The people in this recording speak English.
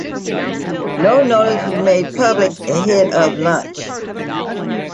No notice was made public ahead of launch.